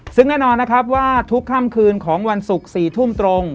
ซึ่งแน่นอนนะครับว่าทุกค่ำคืนของวันศุกร์๔ทุ่มตรง